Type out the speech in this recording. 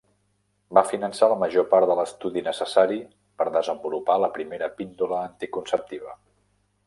Va finançar la major part de l'estudi necessari per desenvolupar la primera píndola anticonceptiva.